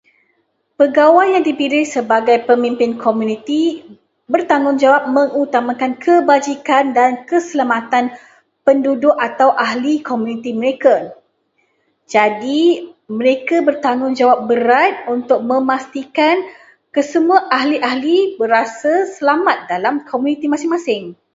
Pegawai yang dipilih sebagai pemimpin komuniti bertanggungjawab mengutamakan kebajikan dan keselamatan penduduk atau ahli komuniti mereka. Jadi, mereka bertanggungjawab berat untuk memastikan kesemua ahli-ahli berasa selamat dalam komuniti masing-masing.